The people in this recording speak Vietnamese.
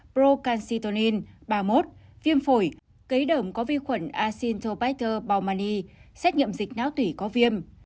procalcitonin ba mươi một viêm phổi cấy đởm có vi khuẩn acinetobacter baumani xét nghiệm dịch náo tủy có viêm